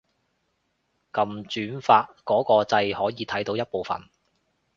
撳轉發嗰個掣可以睇到一部分